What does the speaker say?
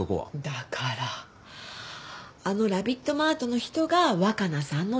だからあのラビットマートの人が若菜さんの旦那さん。